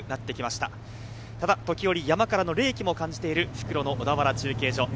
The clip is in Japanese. ただ時折、山からの冷気も感じている復路の小田原中継所。